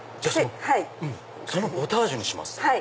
そのポタージュにします。